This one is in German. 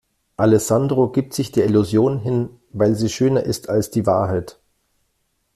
Alessandro gibt sich der Illusion hin, weil sie schöner ist als die Wahrheit.